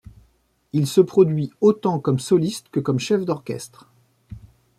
Il se produit autant comme soliste que comme chef d'orchestre.